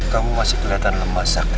kamu masih kelihatan lemah sakti